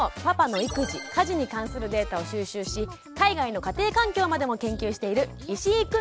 パパの育児家事に関するデータを収集し海外の家庭環境までも研究している石井